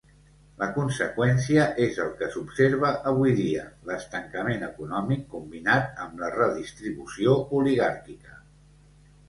La conseqüència és el que s'observa avui dia: l'estancament econòmic combinat amb la redistribució oligàrquica.